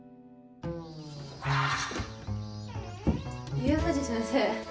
家藤先生。